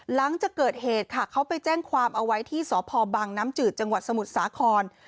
หลังจากเกิดเหตุค่ะเขาไปแจ้งความเอาไว้ที่สพบังน้ำจืดจังหวัดสมุทรสาคร